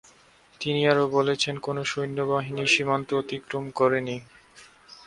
তিনি আরও বলেছেন কোন সৈন্যবাহিনী সীমান্ত অতিক্রম করেনি।